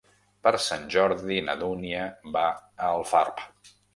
Per Sant Jordi na Dúnia va a Alfarb.